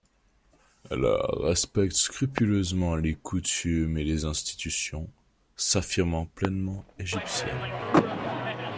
Elle respecte scrupuleusement les coutumes et les institutions, s’affirmant pleinement égyptienne.